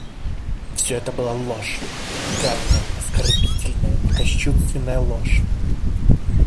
Всё это была ложь, гадкая, оскорбительная и кощунственная ложь.